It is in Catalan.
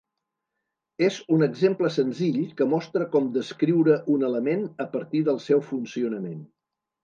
És un exemple senzill que mostra com descriure un element a partir del seu funcionament.